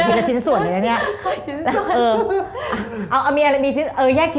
ไม่ใช่ไม่ใช่ไม่ใช่ไม่ใช่ไม่ใช่ไม่ใช่